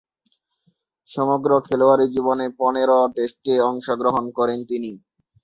সমগ্র খেলোয়াড়ী জীবনে পনের টেস্টে অংশগ্রহণ করেন তিনি।